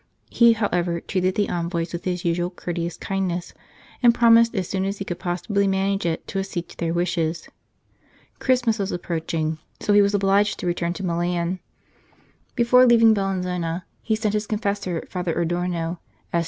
He, however, treated the envoys with his usual courteous kindness, and promised, as soon as he could possibly manage it, to accede to their wishes. Christmas was approaching, so he was obliged 219 St. Charles Borromeo to return to Milan. Before leaving Bellinzona he sent his confessor, Father Adorno, S.